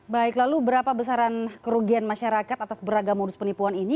baik lalu berapa besaran kerugian masyarakat atas beragam modus penipuan ini